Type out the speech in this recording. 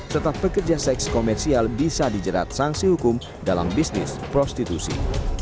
serta pekerja seks komersial bisa dijerat sanksi hukum dalam bisnis prostitusi